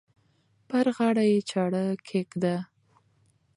پر غاړه یې چاړه کښېږده.